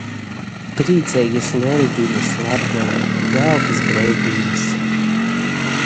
Prīceigys Leldīnis, Latgola! Jaukys breivdīnys!